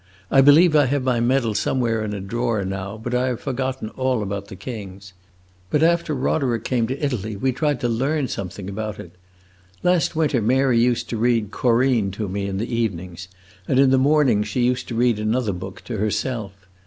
I believe I have my medal somewhere in a drawer, now, but I have forgotten all about the kings. But after Roderick came to Italy we tried to learn something about it. Last winter Mary used to read 'Corinne' to me in the evenings, and in the mornings she used to read another book, to herself.